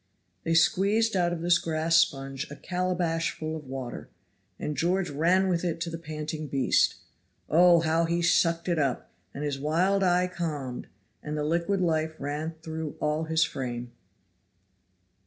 They squeezed out of this grass sponge a calabash full of water, and George ran with it to the panting beast. Oh! how he sucked it up, and his wild eye calmed, and the liquid life ran through all his frame!